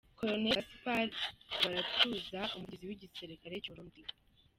Colonel Gaspard Baratuza, umuvugizi w’igisirikare cy’u Burundi.